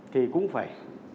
thì cũng phải